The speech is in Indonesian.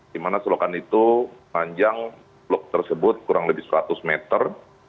di mana selokan itu panjang blok tersebut kurang lebih seratus meter